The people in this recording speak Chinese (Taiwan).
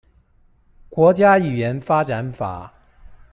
國家語言發展法